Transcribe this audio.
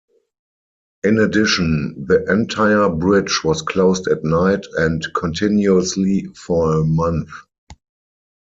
In addition, the entire bridge was closed at night and continuously for a month.